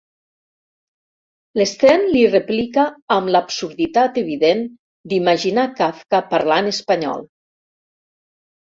L'Sten li replica amb l'absurditat evident d'imaginar Kafka parlant espanyol.